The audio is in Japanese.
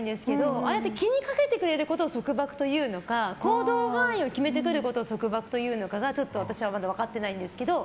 ああやって気にかけてくれることを束縛というのか行動範囲を決めてくることが束縛というのかがちょっと私はまだ分かってないんですけど。